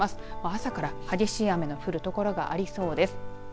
朝から激しい雨の降る所がありそうです。